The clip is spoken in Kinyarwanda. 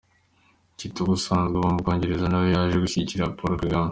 Kitoko usanzwe uba mu Bwongereza na we yaje gushyigikira Paul Kagame.